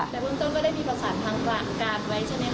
แต่คุณเจ้าก็ได้มีภาษาทางการไว้ใช่ไหมคะ